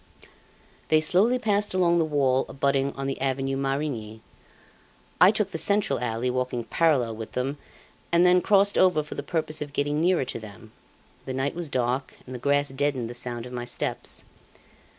They slowly passed along the wall abutting on the Avenue Marigny. I took the central alley, walking parallel with them, and then crossed over for the purpose of getting nearer to them. The night was dark, and the grass deadened the sound of my steps.